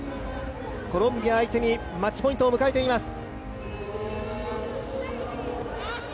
コロンビア相手にマッチポイントを迎えています。